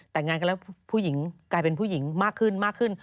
แต่งงานกันแล้วผู้หญิงกลายเป็นผู้หญิงมากขึ้นมากขึ้น